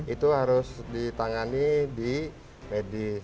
itu harus ditangani di medis